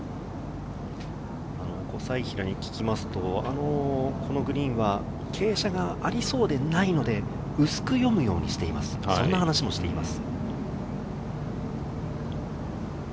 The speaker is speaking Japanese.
小斉平に聞きますと、このグリーンは傾斜がありそうでないので、薄く読むようにしていますという話もしています。